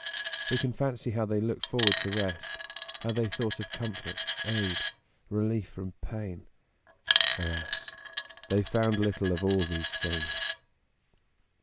We can fancy how they looked forward to rest; how they thought of comfort, aid, relief from pain. Alas! they found little of all these things.